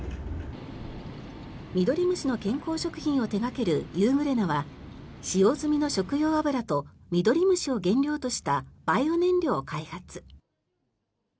ミドリムシの健康食品を手掛けるユーグレナは使用済みの食用油とミドリムシを原料としたバイオ燃料を開発。